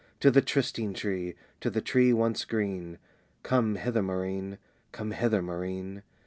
"To the trysting tree, to the tree once green, Come hither, Maurine! come hither, Maurine!"...